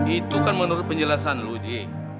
itu kan menurut penjelasan lo haji